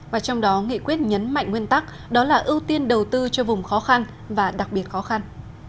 và trong đó nghị quyết nhấn mạnh nguyên tắc đó là ưu tiên đầu tư cho vùng khó khăn và đặc biệt khó khăn